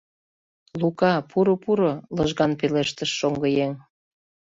— Лука, пуро, пуро, — лыжган пелештыш шоҥгыеҥ.